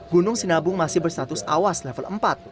gunung sinabung masih berstatus awas level empat